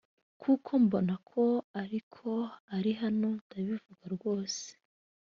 kuko mbona ko ari ko ari hano ndabivuga rwose